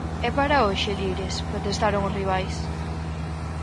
_¿E para hoxe, Lires? _protestaron os rivais.